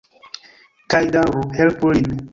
Kaj daŭru... helpu lin.